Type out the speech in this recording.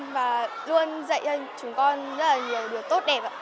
và luôn dạy cho chúng con rất là nhiều điều tốt đẹp ạ